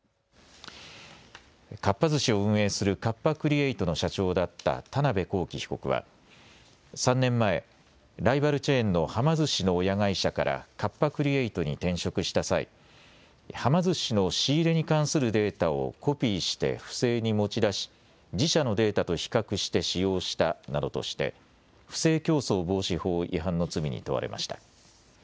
かっぱ寿司を運営するカッパ・クリエイトの社長だった田邊公己被告は３年前、ライバルチェーンのはま寿司の親会社からカッパ・クリエイトに転職した際、はま寿司の仕入れに関するデータをコピーして不正に持ち出し、自社のデータと比較して使用したなどとして不正競争防止法違反の罪に問われました。